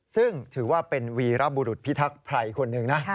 ซึ่งถือว่าเป็นวีรบุรุษพิทักษ์ภัยคนหนึ่งนะ